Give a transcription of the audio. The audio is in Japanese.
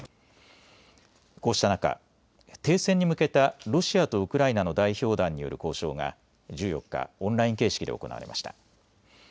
こうした中、停戦に向けたロシアとウクライナの代表団による交渉が１４日、オンライン形式で行われました。